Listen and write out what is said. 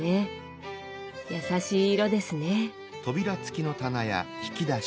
優しい色ですね。